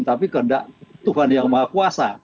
tapi kehendak tuhan yang maha kuasa